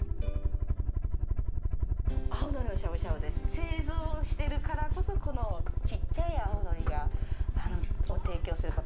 製造してるからこそこのちっちゃい青のりを提供する事ができます。